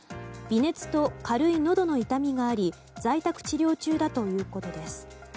微熱と軽いのどの痛みがあり在宅治療中だということです。